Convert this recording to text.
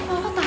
gak tau sih